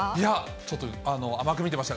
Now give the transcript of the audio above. ちょっと甘く見てました。